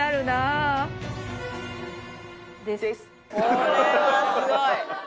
これはすごい！